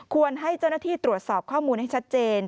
ให้เจ้าหน้าที่ตรวจสอบข้อมูลให้ชัดเจน